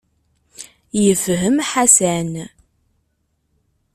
Yefhem Ḥasan.